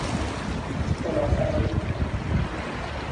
الاغ سواری